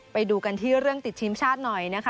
ไปดูกันที่เรื่องติดทีมชาติหน่อยนะคะ